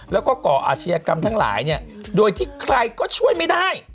แล้วก็ก่ออาชญากรรมทั้งหลายเนี่ยโดยที่ใครก็ช่วยไม่ได้